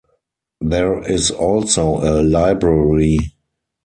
There is also a library.